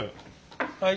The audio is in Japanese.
はい。